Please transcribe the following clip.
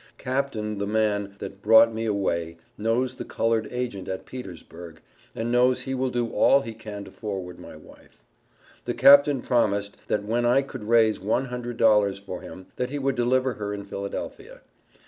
Capt. the man that brought me away, knows the colored agent at Petersburg, and knows he will do all he can to forward my wife. The Capt. promised, that when I could raise one hundred dollars for him that he would deliver her in Philadelphia.